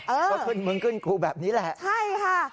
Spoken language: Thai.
ว่าขึ้นมึงขึ้นกูแบบนี้แหละใช่ค่ะ